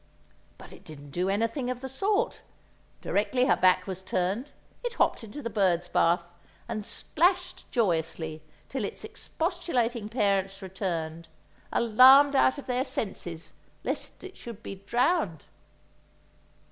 But it didn't do anything of the sort; directly her back was turned, it hopped into the bird's bath, and splashed joyously till its expostulating parents returned, alarmed out of their senses lest it should be drowned!